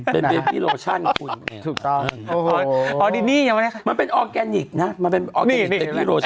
เป็นเตปปี้โลชั่นคุณถูกต้องอ๋อดินี่มันเป็นออร์แกนิคนะมันเป็นออร์แกนิค